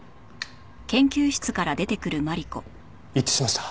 一致しました？